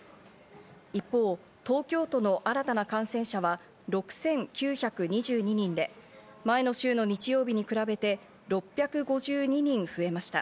一方、東京都の新たな感染者は６９２２人で、前の週の日曜日に比べて６５２人増えました。